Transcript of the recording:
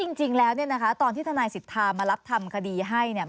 จริงแล้วเนี่ยนะคะตอนที่ทนายสิทธามารับทำคดีให้เนี่ย